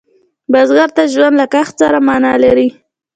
بزګر ته ژوند له کښت سره معنا لري